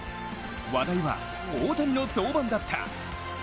話題は、大谷の登板だった。